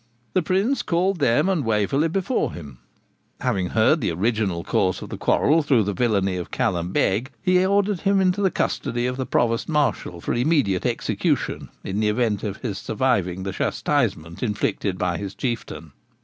The Prince called them and Waverley before him. Having heard the original cause of the quarrel through the villainy of Callum Beg, he ordered him into custody of the provost marshal for immediate execution, in the event of his surviving the chastisement inflicted by his Chieftain.